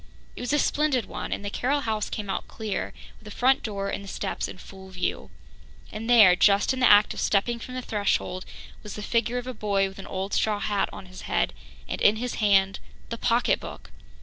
It was a splendid one, and the Carroll house came out clear, with the front door and the steps in full view. And there, just in the act of stepping from the threshold, was the figure of a boy with an old straw hat on his head and in his hand the pocketbook!